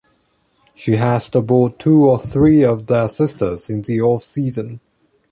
She has to board two or three of her sisters in the off season.